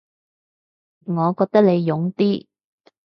我覺得你勇啲